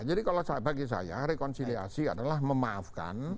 jadi kalau bagi saya rekonsiliasi adalah memaafkan